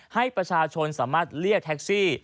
ให้ประชาชนสามารถเรียกแท็กซี่